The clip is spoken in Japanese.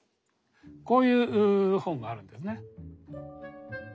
こういう本があるんですね。